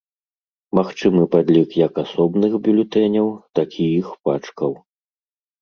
Магчымы падлік як асобных бюлетэняў, так і іх пачкаў.